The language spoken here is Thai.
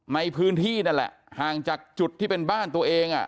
นั่นแหละห่างจากจุดที่เป็นบ้านตัวเอง